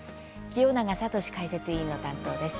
清永聡解説委員の担当です。